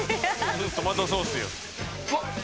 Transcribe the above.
トマトソースよ。